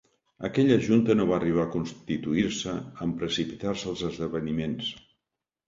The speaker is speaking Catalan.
Aquella junta no va arribar a constituir-se en precipitar-se els esdeveniments.